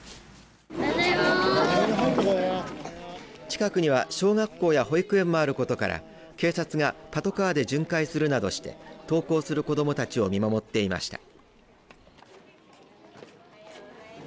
近くには小学校や保育園もあることから警察がパトカーで巡回するなどして登校する子どもたちを見守っていました。